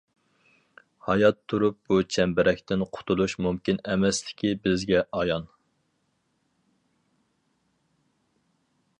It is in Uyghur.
ھايات تۇرۇپ بۇ چەمبىرەكتىن قۇتۇلۇش مۇمكىن ئەمەسلىكى بىزگە ئايان.